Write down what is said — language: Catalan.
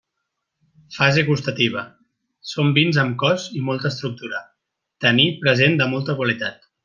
Fase gustativa: són vins amb cos i molta estructura, taní present de molta qualitat.